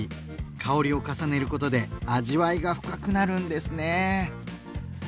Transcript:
香りを重ねることで味わいが深くなるんですね。